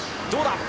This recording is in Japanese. どうだ？